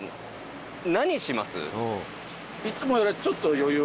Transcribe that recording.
いつもよりは。